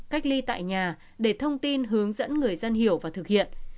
cách ly tại nhà để thông tin hướng dẫn người dân hiểu và thực hiện